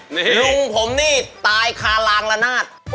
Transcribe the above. ลุงผมนี่ตายคารางรนาศ